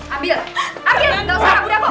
ambil ambil gak usah ragu ragu